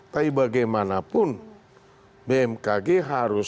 tapi bagaimanapun bmkg harus berkoordinasi dengan bapak nas